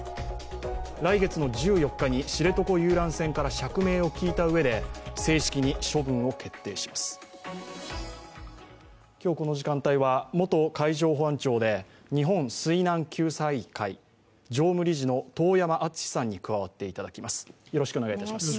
来月の１４日に知床遊覧船から釈明を聞いた上で今日この時間は元海上保安官で日本水難救済会常務理事の遠山純司さんに加わっていただきます。